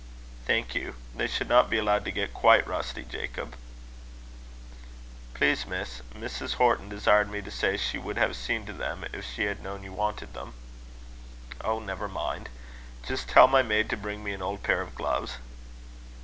"Thank you. They should not be allowed to get quite rusty, Jacob." "Please, Miss, Mrs. Horton desired me to say, she would have seen to them, if she had known you wanted them." "Oh! never mind. Just tell my maid to bring me an old pair of gloves."